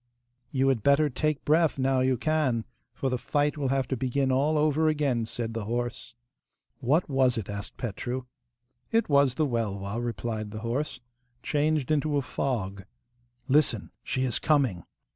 'You had better take breath now you can, for the fight will have to begin all over again,' said the horse. 'What was it?' asked Petru. 'It was the Welwa,' replied the horse, 'changed into a fog 'Listen! She is coming!